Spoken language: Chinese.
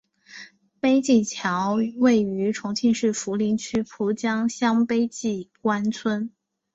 碑记桥位于重庆市涪陵区蒲江乡碑记关村。